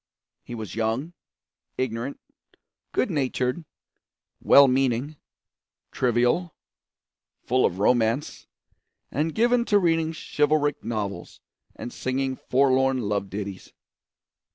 He was young, ignorant, good natured, well meaning, trivial, full of romance, and given to reading chivalric novels and singing forlorn love ditties.